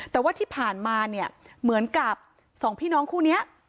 แต่ว่าที่ผ่านมาเนี่ยเหมือนกับสองพี่น้องคู่นี้